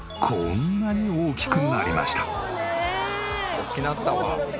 「大きなったわ」